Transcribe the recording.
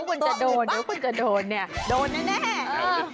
คุณจะโดนแต่คุณจะโดนเนี่ย